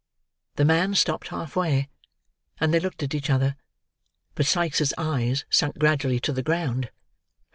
The man stopped half way, and they looked at each other; but Sikes's eyes sunk gradually to the ground.